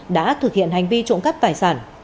đã thực hiện hành vi trộm cắp tài sản